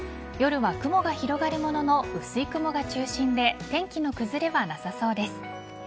夜は、雲が広がるものの薄い雲が中心で天気の崩れはなさそうです。